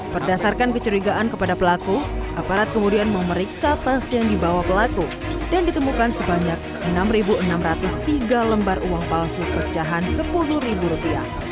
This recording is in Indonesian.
berdasarkan kecurigaan kepada pelaku aparat kemudian memeriksa tas yang dibawa pelaku dan ditemukan sebanyak enam enam ratus tiga lembar uang palsu pecahan rp sepuluh